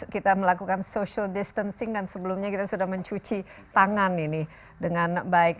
kita melakukan social distancing dan sebelumnya kita sudah mencuci tangan ini dengan baik